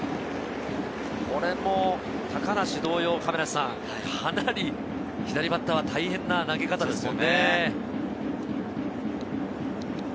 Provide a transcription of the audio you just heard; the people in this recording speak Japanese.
これも高梨同様、かなり左バッターは大変な投げ方ですよね。